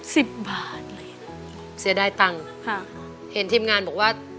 สิบบาทเลยเสียดายตังค์ค่ะเห็นทีมงานบอกว่า